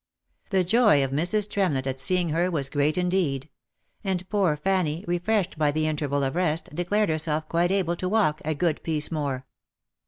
The joy of Mrs. Tremlett at seeing her was great indeed ; and poor Fanny, refreshed by the interval of rest, declared herself quite able to walk " a good piece more."